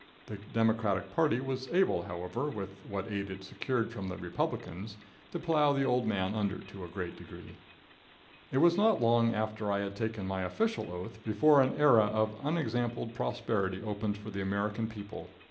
The Democratic party was able, however, with what aid it secured from the Republicans, to plow the old man under to a great degree. [Illustration: STRICT ATTENTION TO BUSINESS.] It was not long after I had taken my official oath before an era of unexampled prosperity opened for the American people.